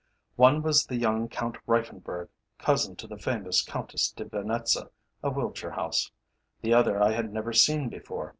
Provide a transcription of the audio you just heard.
One was the young Count Reiffenburg, cousin to the famous Countess de Venetza, of Wiltshire House, the other I had never seen before.